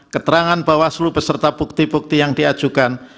keterangan bawaslu beserta bukti bukti yang diajukan